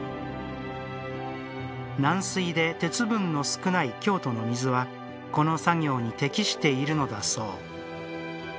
軟水で鉄分の少ない京都の水はこの作業に適しているのだそう。